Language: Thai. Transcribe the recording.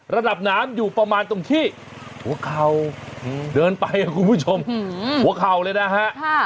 ระดับน้ำอยู่ประมาณตรงที่หัวเข่าเดินไปครับคุณผู้ชมหัวเข่าเลยนะฮะ